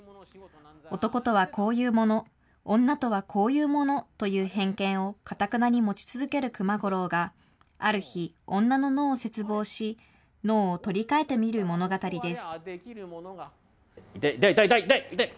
男とはこういうもの、女とはこういうものという偏見をかたくなに持ち続ける熊五郎が、ある日、女の脳を切望し、脳を取り替えてみる物語です。